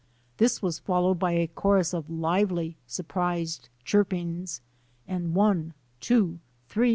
This was followed by a chorus of lively, surprised chirpings, and one, two, three!